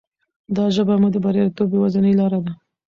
دا ژبه مو د بریالیتوب یوازینۍ لاره ده.